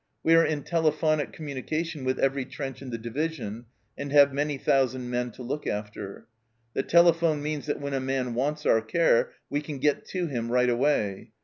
... We are in telephonic communication with every trench in the division, and have many thousand men to look after. The telephone means that when a man wants our care we can get to him right away.